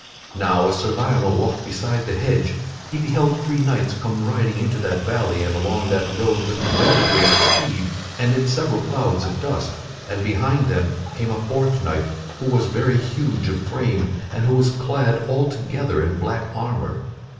Now as Sir Lionel walked beside the hedge he beheld three knights come riding into that valley and along that road with very great speed and in several clouds of dust; and behind them came a fourth knight, who was very huge of frame and who was clad altogether in black armor.